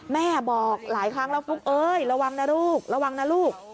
แม่บอกหลายครั้งแล้วฟุ๊กเอ้ยระวังนะลูกระวังนะลูก